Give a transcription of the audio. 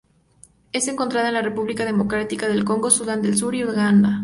Es encontrada en la República Democrática del Congo, Sudán del Sur y Uganda.